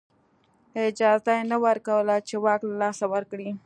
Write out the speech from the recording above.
اجازه یې نه ورکوله چې واک له لاسه ورکړي